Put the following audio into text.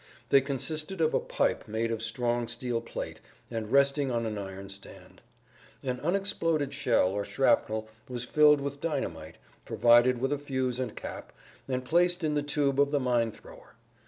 They consisted of a pipe made of strong steel plate and resting on an iron stand. An unexploded shell or shrapnel was filled with dynamite, provided with a fuse and cap, and placed in the tube of the mine thrower.